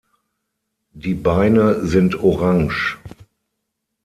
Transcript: Die Beine sind orange.